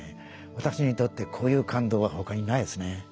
私にとってこういう感動は他にないですね。